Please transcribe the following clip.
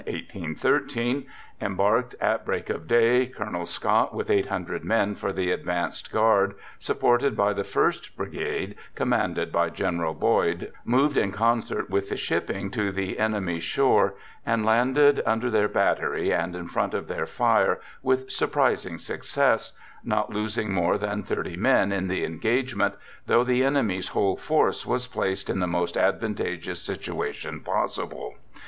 — Embarked at break of day — Col. Scott with 800 men, for the advanced guard, supported by the First Brigade, commanded by General Boyd, moved in concert with the shipping to the enemy's shore and landed under their battery and in front of their fire A BACKWOOD PHYSIOLOGIST i8i with surprising success, not losing more than 30 men in the engagement, though the enemy's whole force was placed in the most advantageous situation possible.